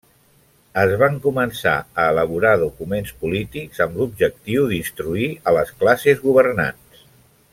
Es van començar a elaborar documents polítics amb l'objectiu d'instruir a les classes governants.